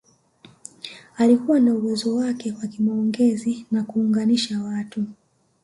Alikuwa na uwezo wake wa kimaongezi na kuunganisha watu